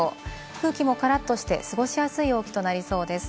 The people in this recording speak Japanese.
空気もからっとして過ごしやすい陽気となりそうです。